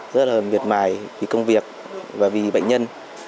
rất là miệt mài vì công việc và vì bệnh nhân